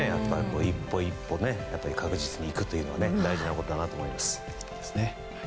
一歩一歩、確実に行くというのは大事なことだと思います。